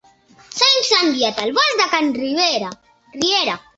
S'ha incendiat el bosc de can Riera.